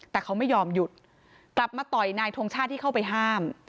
แต่เขาไม่ยอมหยุดกลับมาต่อยนายทงชาติที่เข้าไปห้าม